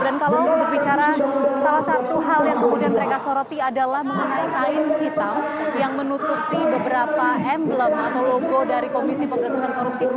kalau berbicara salah satu hal yang kemudian mereka soroti adalah mengenai kain hitam yang menutupi beberapa emblem atau logo dari komisi pemberantasan korupsi